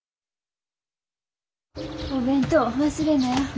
お弁当忘れなや。